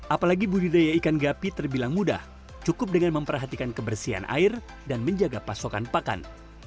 apalagi budidaya ikan gapi terbilang mudah cukup dengan memperhatikan kebersihan air dan menjaga pasokan pakan